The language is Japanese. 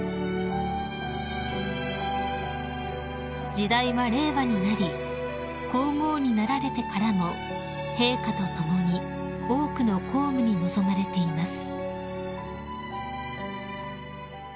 ［時代は令和になり皇后になられてからも陛下と共に多くの公務に臨まれています］